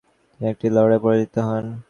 তিনি একটি লড়াইয়ে পরাজিত হন।